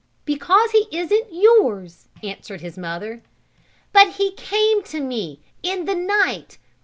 "Because he isn't yours," answered his mother. "But he came to me in the night.